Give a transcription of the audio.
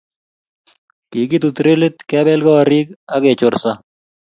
Kikitut relit, kebel korik ak kechorso